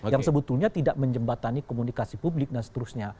yang sebetulnya tidak menjembatani komunikasi publik dan seterusnya